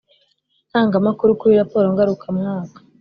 Ntangamakuru kuri raporo ngarukamwaka